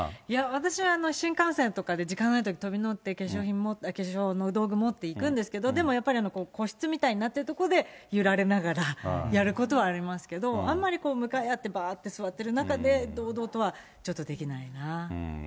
私は新幹線とかで時間がないとき、飛び乗って、化粧の道具持っていくんですけど、でもやっぱり、個室みたいになってる所で揺られながらやることはありますけど、あんまり向かい合ってばーって座ってる中で、堂々とはちょっとできないな。